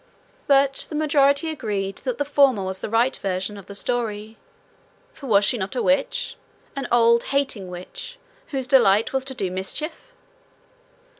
But the majority agreed that the former was the right version of the story for was she not a witch, an old hating witch, whose delight was to do mischief?